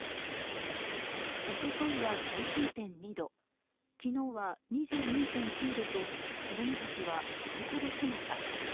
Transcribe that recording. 一昨日は１９．２度昨日は２２．９度と子供たちは半袖姿。